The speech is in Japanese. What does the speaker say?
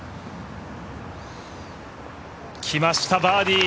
きました、バーディー。